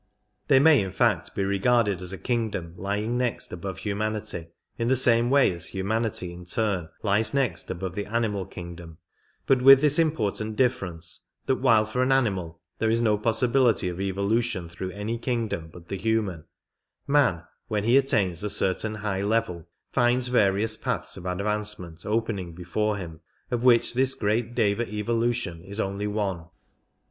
They may, in fact, be regarded as a kingdom lying next al)ove humanity, in the same way as humanity in turn lies next above the animal kingdom, but with this important difference, that while for an animal there is no possibility of evolution through any kingdom but the human, man, when he attains a certain high level, finds various paths of advancement opening before him, of which this great Deva evolution is only one.